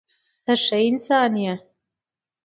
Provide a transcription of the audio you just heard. ته ښه انسان یې.